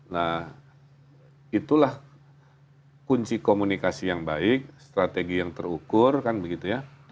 nah itulah kunci komunikasi yang baik strategi yang terukur kan begitu ya